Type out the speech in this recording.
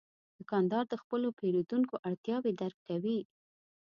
دوکاندار د خپلو پیرودونکو اړتیاوې درک کوي.